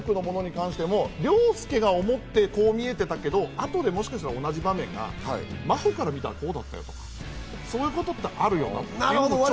家族のものに関しても凌介が思ってこう見えていたけど、後でもしかしたら同じ場面が真帆から見たらこうだったよとか、そういうことってあるよなって。